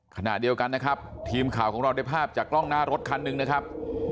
ขณะเดียวกันนะครับทีมข่าวของเราได้ภาพจากกล้องหน้ารถคันหนึ่งนะครับ